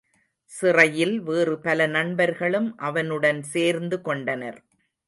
சிறையில் வேறு பல நண்பர்களும் அவனுடன் சேர்ந்து கொண்டனர்.